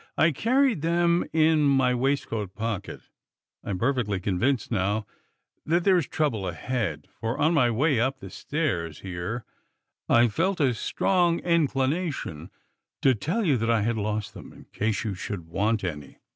"I carry them in my waistcoat pocket. I am perfectly convinced now that there is trouble ahead, for on my way up the stairs here I felt a strong inclination to tell you that I had lost them, in case you should want any."